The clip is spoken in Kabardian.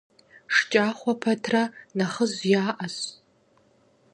ШкӀахъуэ пэтрэ нэхъыжь яӀэщ.